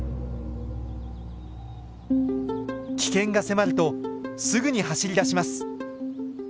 危険が迫るとすぐに走りだします。